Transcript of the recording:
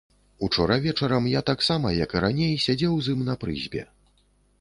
Учора вечарам я таксама, як і раней, сядзеў з ім на прызбе.